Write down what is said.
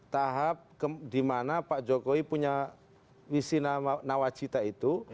tahap di mana pak jokowi punya visi nawacita itu